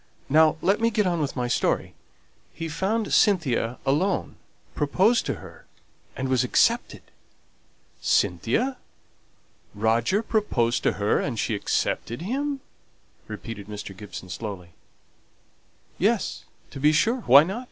Now let me get on with my story: he found Cynthia alone, proposed to her, and was accepted." "Cynthia? Roger proposed to her, and she accepted him?" repeated Mr. Gibson, slowly. "Yes, to be sure. Why not?